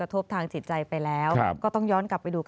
ตอน